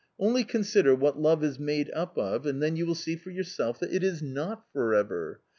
Only consider what love is made up of and then you will see for yourself that it is not for ever